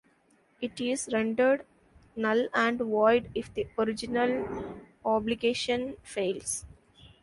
It is rendered null and void if the original obligation fails.